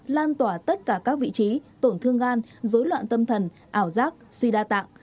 lan tỏa tất cả các vị trí tổn thương gan dối loạn tâm thần ảo giác suy đa tạng